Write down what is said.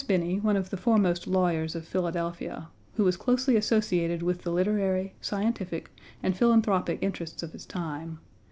Horace Binney, one of the foremost lawyers of Philadelphia, who was closely associated with the literary, scientific, and philanthropic interests of his time.